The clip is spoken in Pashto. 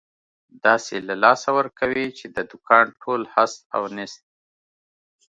داسې له لاسه ورکوې، چې د دوکان ټول هست او نیست.